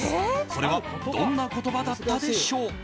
それはどんな言葉だったでしょう。